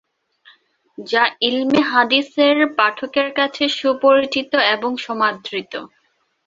যা ইলমে হাদিসের পাঠকের কাছে সুপরিচিত এবং সমাদৃত।